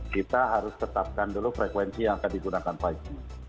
kita harus tetapkan dulu frekuensi yang akan digunakan lima g